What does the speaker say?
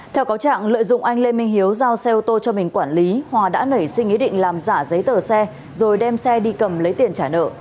theo cáo trạng lợi dụng anh lê minh hiếu giao xe ô tô cho mình quản lý hòa đã nảy sinh ý định làm giả giấy tờ xe rồi đem xe đi cầm lấy tiền trả nợ